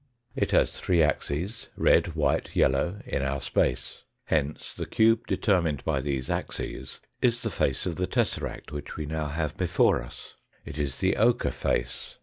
It has three axes, red, white, yellow, in our space. Hence the cube deter mined by these axes is the face of the tesseract which we now have before us. It is the ochre face.